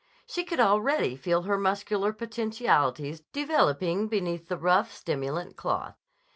She could already feel her muscular potentialities developing beneath the rough, stimulant cloth.